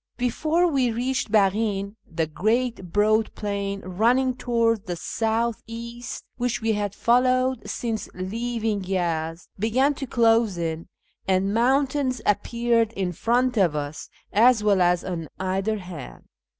Before we reached Baghin, the great broad plain running towards the south east, which we had followed since leaving Yezd, began to close in, and mountains appeared in front of us, as well as on either hand.